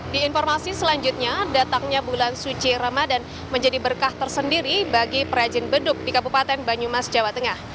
di informasi selanjutnya datangnya bulan suci ramadan menjadi berkah tersendiri bagi perajin beduk di kabupaten banyumas jawa tengah